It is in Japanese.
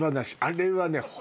あれはね